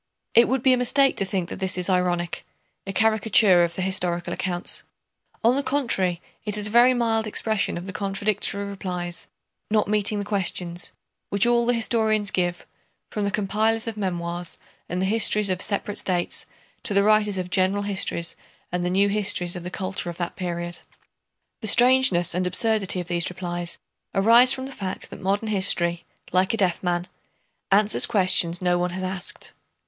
It would be a mistake to think that this is ironic—a caricature of the historical accounts. On the contrary it is a very mild expression of the contradictory replies, not meeting the questions, which all the historians give, from the compilers of memoirs and the histories of separate states to the writers of general histories and the new histories of the culture of that period. The strangeness and absurdity of these replies arise from the fact that modern history, like a deaf man, answers questions no one has asked.